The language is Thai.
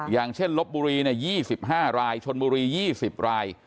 อย่างเช่นลบบุรี๒๕รายชนบุรี๒๐ราย